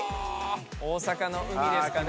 大阪の海ですかね？